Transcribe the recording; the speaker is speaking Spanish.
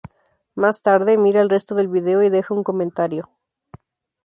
Más tarde, mira el resto del vídeo y deja un comentario.